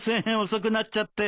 遅くなっちゃって。